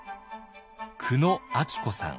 久野明子さん。